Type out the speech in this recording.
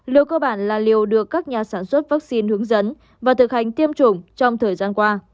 liều cơ bản là liều được các nhà sản xuất vắc xin hướng dẫn và thực hành tiêm chủng trong thời gian qua